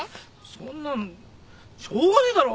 そんなんしょうがねえだろ？